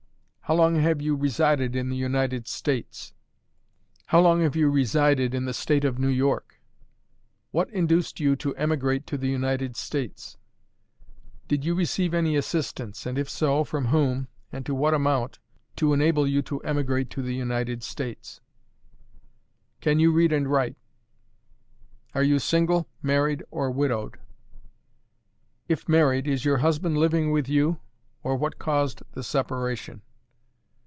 "How long have you resided in the United States? "How long have you resided in the State of New York? "What induced you to emigrate to the United States? "Did you receive any assistance, and, if so, from whom, and to what amount, to enable you to emigrate to the United States? "Can you read and write? "Are you single, married, or widowed? "If married, is your husband living with you, or what caused the separation?